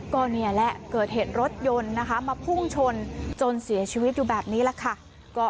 ก็นี่แหละเกิดเหตุรถยนต์นะคะมาพุ่งชนจนเสียชีวิตอยู่แบบนี้แหละค่ะ